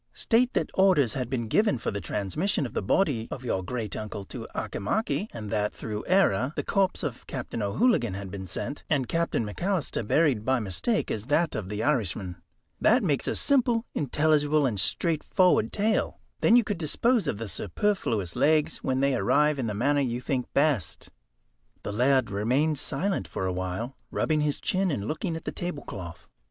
State that orders had been given for the transmission of the body of your great uncle to Auchimachie, and that, through error, the corpse of Captain O'Hooligan had been sent, and Captain McAlister buried by mistake as that of the Irishman. That makes a simple, intelligible, and straightforward tale. Then you could dispose of the superfluous legs when they arrived in the manner you think best." The laird remained silent for a while, rubbing his chin, and looking at the tablecloth.